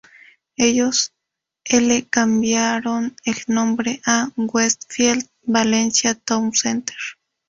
Ellos ele cambiaron el nombre a "Westfield Valencia Town Center".